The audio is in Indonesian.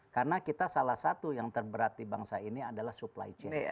karena kita salah satu yang terberat di bangsa ini adalah supply chain